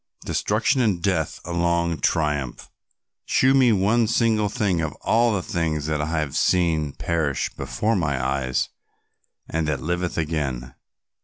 Destruction and death alone triumph. Shew me one single thing of all the things that I have seen perish before my eyes and that liveth again.